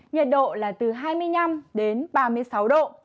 nhiệt độ là từ hai mươi năm đến ba mươi sáu độ